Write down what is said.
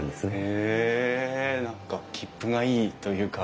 へえ何かきっぷがいいというか。